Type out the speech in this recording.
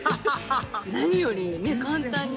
何よりね簡単に。